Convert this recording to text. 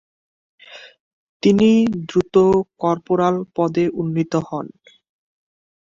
তিনি দ্রুত কর্পোরাল পদে উন্নীত হন।